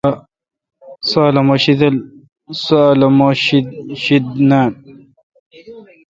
سو الو مہ شید نان